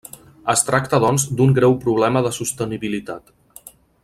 Es tracta doncs d'un greu problema de sostenibilitat.